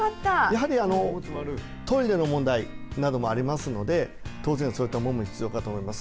やはりあのトイレの問題などもありますので当然そういったものも必要かと思います。